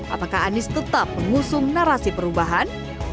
apakah anies tetap mengusung narasi perubahan